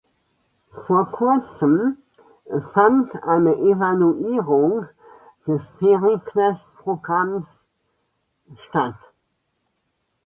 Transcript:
Vor kurzem fand eine Evaluierung des Pericles-Programms statt.